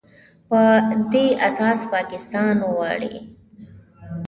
په دې اساس پاکستان غواړي